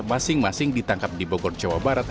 masing masing ditangkap di bogor jawa barat